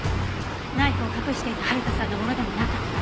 ナイフを隠していた春田さんのものでもなかった。